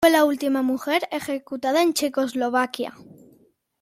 Fue la última mujer ejecutada en Checoslovaquia.